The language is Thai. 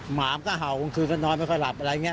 หมามก็เห่าคือก็น้อยไม่ค่อยหลับอะไรอย่างนี้